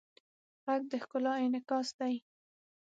غږ د ښکلا انعکاس دی